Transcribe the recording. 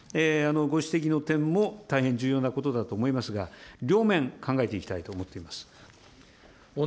ご指摘の点も大変重要なことだと思いますが、両面考えていきたいと思っています。